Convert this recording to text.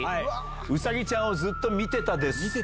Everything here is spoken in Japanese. うさぎちゃんをずっと見てたです。